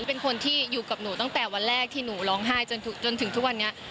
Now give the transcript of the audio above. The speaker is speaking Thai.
เป็นคนที่อยู่กับหนูตั้งแต่วันแรกที่หนูร้องไห้จนถึงทุกวันนี้